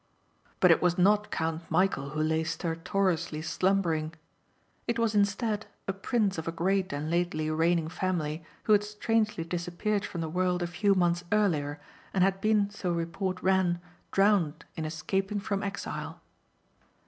But it was not Count Michæl who lay stertorously slumbering. It was instead a prince of a great and lately reigning family who had strangely disappeared from the world a few months earlier and had been, so report ran, drowned in escaping from exile.